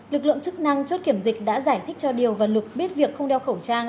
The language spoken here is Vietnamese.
lực lượng chức năng chốt kiểm dịch đã giải thích cho điều và lực biết việc không đeo khẩu trang